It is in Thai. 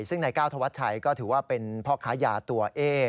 ซึ่งนายก้าวธวัชชัยก็ถือว่าเป็นพ่อค้ายาตัวเอ๊